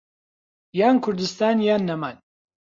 یان كوردستان یان نەمان